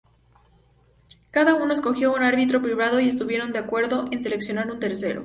Cada uno escogió un árbitro privado, y estuvieron de acuerdo en seleccionar un tercero.